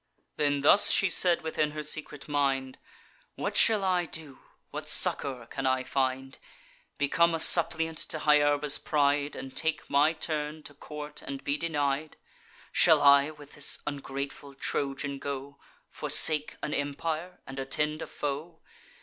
Then thus she said within her secret mind: "What shall I do? what succour can I find? Become a suppliant to Hyarba's pride, And take my turn, to court and be denied? Shall I with this ungrateful Trojan go, Forsake an empire, and attend a foe?